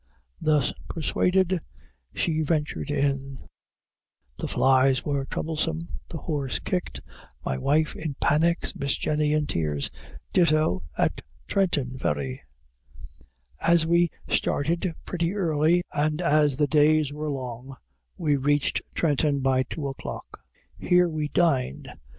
Thus persuaded, she ventured in the flies were troublesome the horse kicked my wife in panics Miss Jenny in tears. Ditto at Trenton ferry. As we started pretty early, and as the days were long, we reached Trenton by two o'clock. Here we dined.